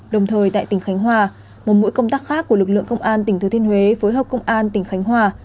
đồng thời tại tỉnh khánh hòa một mũi công tác khác của lực lượng công an tỉnh thứ thiên huế phối hợp công an tỉnh khánh hòa